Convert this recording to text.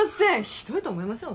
ひどいと思いません？